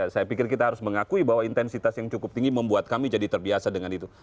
saya pikir kita harus mengakui bahwa intensitas yang cukup tinggi membuat kami jadi terbiasa dengan itu